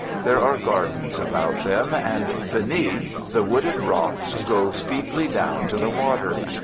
There are gardens about them; and beneath, the wooded rocks go steeply down to the water.